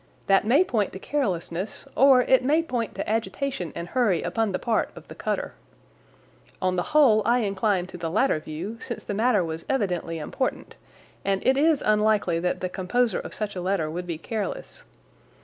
That may point to carelessness or it may point to agitation and hurry upon the part of the cutter. On the whole I incline to the latter view, since the matter was evidently important, and it is unlikely that the composer of such a letter would be careless.